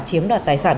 chiếm đoạt tài sản